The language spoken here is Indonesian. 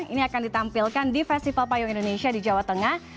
ini akan ditampilkan di festival payung indonesia di jawa tengah